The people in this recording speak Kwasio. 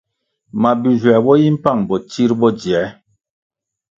Mabi-nzuer bo yi mpang bo tsir bo dzier.